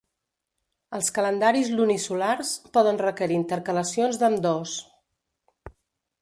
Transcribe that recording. Els calendaris lunisolars poden requerir intercalacions d'ambdós: